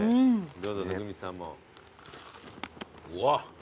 どうぞ温水さんも。